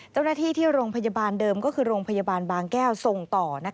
เจ้าหน้าที่ที่โรงพยาบาลเดิมก็คือโรงพยาบาลบางแก้วส่งต่อ